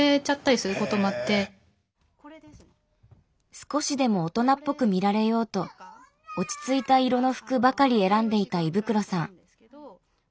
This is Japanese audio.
少しでも大人っぽく見られようと落ち着いた色の服ばかり選んでいた衣袋さん。